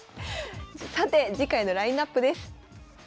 さて次回のラインナップです。